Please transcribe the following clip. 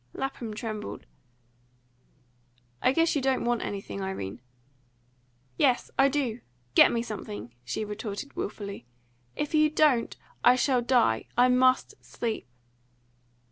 Lapham trembled. "I guess you don't want anything, Irene." "Yes, I do! Get me something!" she retorted wilfully. "If you don't, I shall die. I MUST sleep."